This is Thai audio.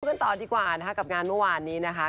กันต่อดีกว่านะคะกับงานเมื่อวานนี้นะคะ